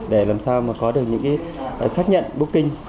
để làm sao có được những xác nhận booking